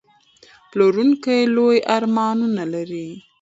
پلورونکی لوی ارمانونه لري.